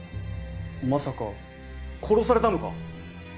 まさか殺されたのか！？